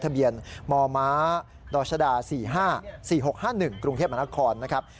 ทะเบียนมมดชด๔๕๔๖๕๑กรุงเทพมหานครนะครับ